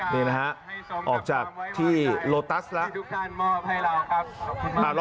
นี่นะฮะออกจากที่โลตัสแล้วครับ